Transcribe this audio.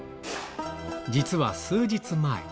実は数日前。